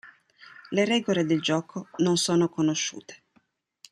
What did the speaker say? Le regole del gioco non sono conosciute.